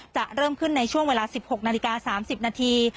จะเริ่มขึ้นในช่วงเวลา๑๖นาฬิกา๓๐นาที